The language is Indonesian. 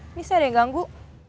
ini saya ada yang ganggu